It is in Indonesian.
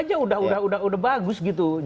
aja udah bagus gitu